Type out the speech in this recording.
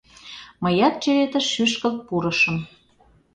Мыят черетыш шӱшкылт пурышым.